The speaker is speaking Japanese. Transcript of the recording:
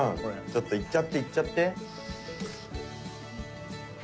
うんちょっといっちゃっていっちゃって。